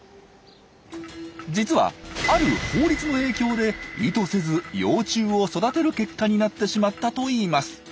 実はある法律の影響で意図せず幼虫を育てる結果になってしまったといいます。